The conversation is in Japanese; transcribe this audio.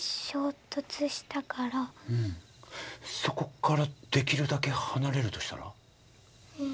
うんそこからできるだけ離れるとしたら。